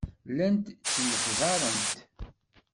Llant ttemyexzarent.